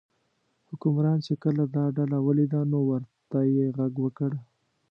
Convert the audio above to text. حکمران چې کله دا ډله ولیده نو ورته یې غږ وکړ.